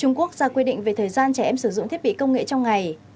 trung quốc ra quy định về thời gian trẻ em sử dụng thiết bị công nghệ trong ngày